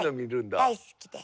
大好きです。